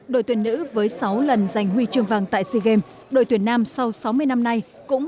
đội tuyển nữ với sáu lần giành huy chương vàng tại sea games đội tuyển nam sau sáu mươi năm nay cũng